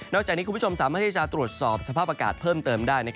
จากนี้คุณผู้ชมสามารถที่จะตรวจสอบสภาพอากาศเพิ่มเติมได้